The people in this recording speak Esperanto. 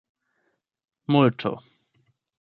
multo